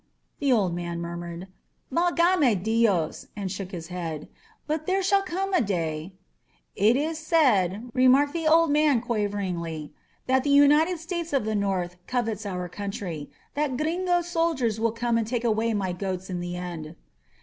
The old man murmured, Valgame DiosT and shook his head. "Bqfc there shall come a day ^^^^' "It is said,*' remarked the old man quaveringly, "that the United States of the North covets our country — that Gringo soldiers will come and take away my goats in the end.